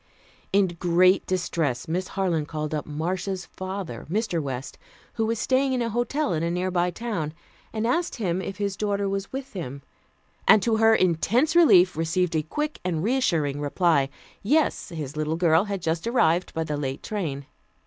In great distress Miss Harland called up Marcia's father, Mr. West, who was staying in a hotel in a nearby town, and asked him if his daughter was with him, and to her intense relief, received a quick and reassuring reply. Yes, his little girl had just arrived by the late train.